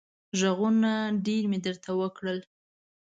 غږونه ډېر مې درته وکړل.